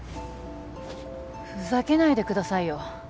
ふざけないでくださいよ